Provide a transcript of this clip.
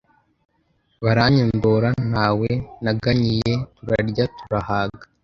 baranyondora ntawe naganyiye, turarya turahaga,